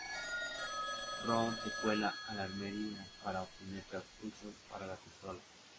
Ron se cuela en la armería para obtener cartuchos para la pistola.